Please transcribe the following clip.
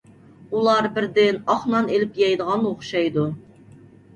ئۇلار بىردىن ئاق نان ئېلىپ يەيدىغان ئوخشايدۇ.